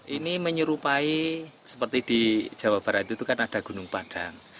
ini menyerupai seperti di jawa barat itu kan ada gunung padang